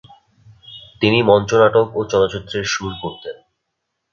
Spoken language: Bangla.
তিনি মঞ্চনাটক ও চলচ্চিত্রের সুর করতেন।